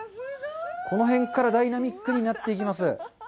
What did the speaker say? この辺からダイナミックになっていきます。